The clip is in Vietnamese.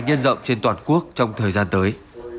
nhân rộng trên toàn quốc trong thời gian tới